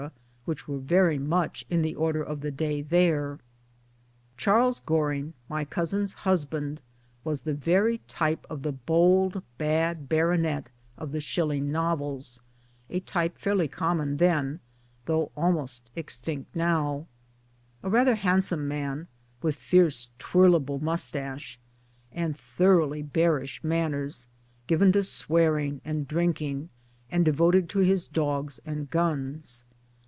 which were very much in the order of the day there. Charles Goring, my cousin's husband, was the very type of the " bold bad baronet " of the shilling novels a type fairly common then, though almost extinct now a rather handsome man with fierce twirlable mous tache, and thoroughly bearish manners, given to swearing and drinking, and devoted to his dogs and guns.